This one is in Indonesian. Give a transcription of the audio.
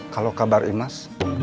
kalau kabar imas